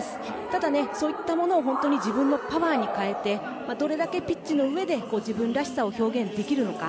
ただ、そういったものを自分のパワーに変えてどれだけピッチの上で自分らしさを表現できるのか。